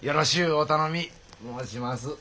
お頼み申します。